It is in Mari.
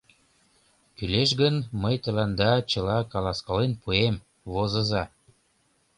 Кӱлеш гын, мый тыланда чыла каласкален пуэм, возыза.